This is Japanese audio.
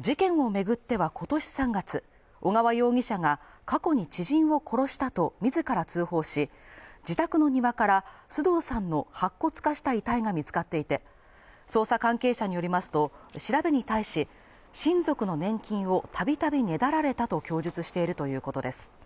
事件を巡っては今年３月、小川容疑者が過去に知人を殺したと自ら通報し、自宅の庭から須藤さんの白骨化した遺体が見つかっていて、捜査関係者によりますと、調べに対し、親族の年金を度々ねだられたと供述しているということです